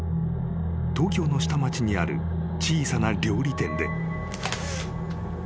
［東京の下町にある小さな料理店で］